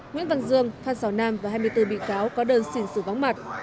nguyễn văn dương phan xào nam và hai mươi bốn bị cáo có đơn xin xử vắng mặt